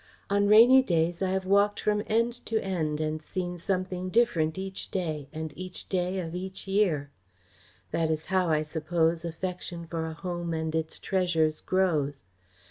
On rainy days I have walked from end to end and seen something different each day and each day of each year. That is how, I suppose, affection for a home and its treasures grows.